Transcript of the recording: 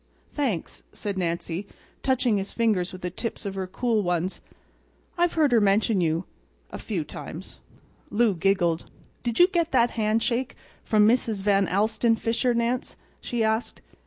"Thanks," said Nancy, touching his fingers with the tips of her cool ones, "I've heard her mention you—a few times." Lou giggled. "Did you get that handshake from Mrs. Van Alstyne Fisher, Nance?" she asked.